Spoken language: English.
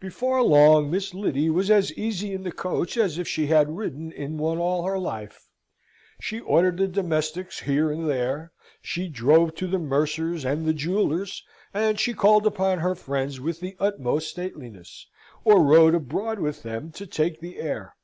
Before long Miss Lyddy was as easy in the coach as if she had ridden in one all her life. She ordered the domestics here and there; she drove to the mercer's and the jeweller's, and she called upon her friends with the utmost stateliness, or rode abroad with them to take the air.